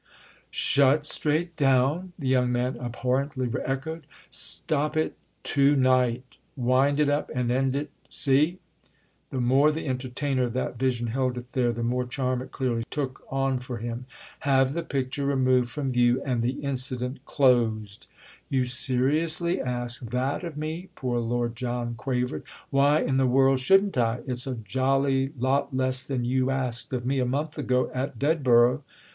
"'Shut straight down'?" the young man abhorrently echoed. "Stop it to night—wind it up and end it: see?" The more the entertainer of that vision held it there the more charm it clearly took on for him. "Have the picture removed from view and the incident closed." "You seriously ask that of me!" poor Lord John quavered. "Why in the world shouldn't I? It's a jolly lot less than you asked of me a month ago at Dedborough."